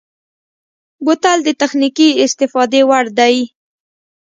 بوتل د تخنیکي استفادې وړ دی.